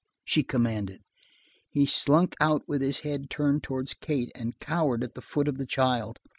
she commanded. He slunk out with his head turned towards Kate and cowered at the feet of the child.